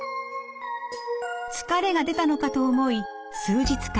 疲れが出たのかと思い数日間